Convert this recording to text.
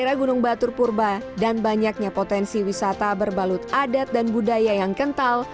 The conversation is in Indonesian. di daerah gunung batur purba dan banyaknya potensi wisata berbalut adat dan budaya yang kental